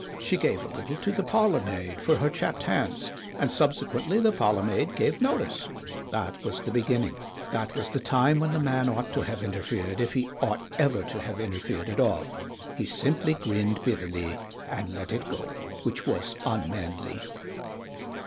She gave a little to the parlormaid for her chapped hands, and subsequently the parlormaid gave notice. That was the beginning. That was the time when the man ought to have interfered, if he ought ever to have interfered at all. He simply grinned bitterly and let it go, which was unmanly.